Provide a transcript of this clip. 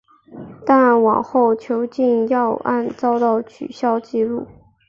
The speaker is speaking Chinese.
但往后因禁药案遭到取消记录。